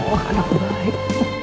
wah anak baik